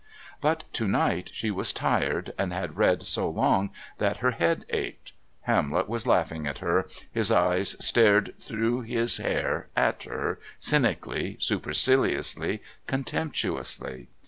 But to night she was tired, and had read so long that her head ached Hamlet was laughing at her, his eyes stared through his hair at her, cynically, superciliously, contemptuously.